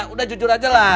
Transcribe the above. udah jujur aja lah